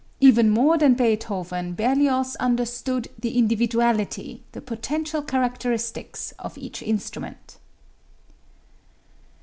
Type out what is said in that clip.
Even more than Beethoven, Berlioz understood the individuality, the potential characteristics of each instrument.